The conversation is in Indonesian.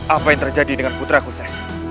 apa yang terjadi dengan putraku saya